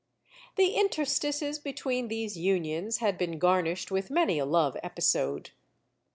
The interstices between these unions had been garnished with many a love episode.